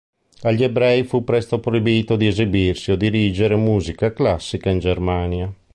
Agli ebrei fu presto proibito di esibirsi o dirigere musica classica in Germania.